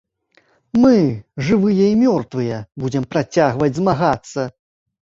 Мы, жывыя і мёртвыя, будзем працягваць змагацца!